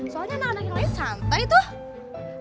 soalnya anak anak yang lain santai tuh